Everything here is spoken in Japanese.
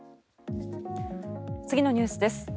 次のニュースです。